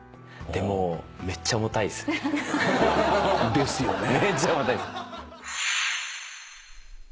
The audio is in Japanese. でもめっちゃ重たいです。ですよね。